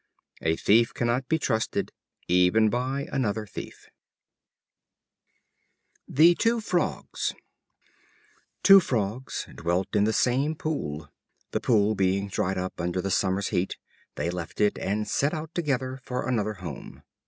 A thief cannot be trusted, even by another thief. The Two Frogs. Two frogs dwelt in the same pool. The pool being dried up under the summer's heat, they left it and set out together for another home.